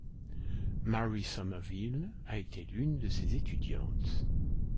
Mary Somerville a été l'une de ses étudiantes.